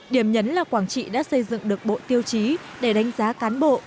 điểm nhấn là quảng trị đã xây dựng được bộ tiêu chí để đánh giá cán bộ